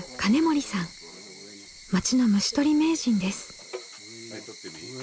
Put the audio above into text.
町の虫捕り名人です。